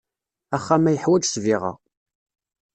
Axxam-a yeḥwaj ssbiɣa.